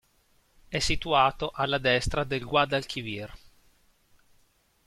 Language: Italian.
È situato alla destra del Guadalquivir.